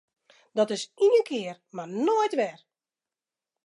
Dat is ien kear mar noait wer!